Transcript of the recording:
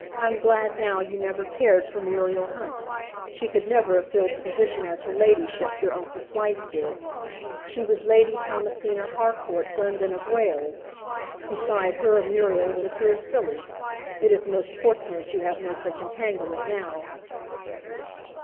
I'm glad now you never David visits his Mother 233 cared for Muriel Hunt. She could never have filled the position as her ladyship, your uncle's wife, did. She was Lady Thomasia Harcourt Glendyne of Wales. Be side her, Muriel would appear silly. It is most fortunate you have no such entanglement now."